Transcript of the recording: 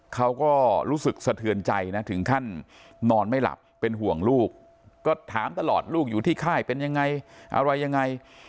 เขาก็รู้สึกสะเทือนใจนะถึงขั้นนอนไม่หลับเป็นห่วงลูกก็ถามตลอดลูกอยู่ที่ค่ายเป็นยังไงอะไรยังไง